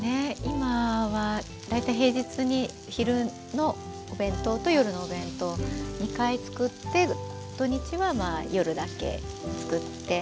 今は大体平日に昼のお弁当と夜のお弁当２回作って土日はまあ夜だけ作って。